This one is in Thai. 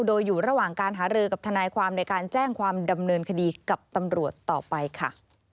โดยอยู่ระหว่างการหารือกับทนายความในการแจ้งความดำเนินคดีกับตำรวจต่อไปค่ะ